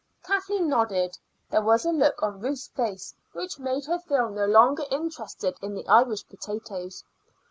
Kathleen nodded. There was a look on Ruth's face which made her feel no longer interested in the Irish potatoes.